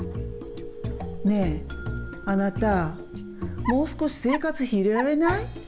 ねえ、あなた、こう少し生活費入れられない？